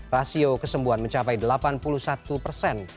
rasio kesembuhan mencapai delapan puluh satu persen